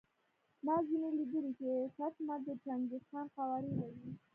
ما ځینې لیدلي دي چې کټ مټ د چنګیز خان قوارې لري.